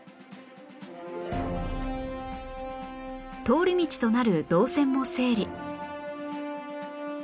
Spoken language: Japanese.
通り道となる動線も整理